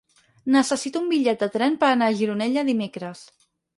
Necessito un bitllet de tren per anar a Gironella dimecres.